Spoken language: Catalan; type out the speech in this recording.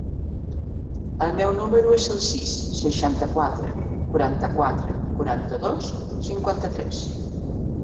El meu número es el sis, seixanta-quatre, quaranta-quatre, quaranta-dos, cinquanta-tres.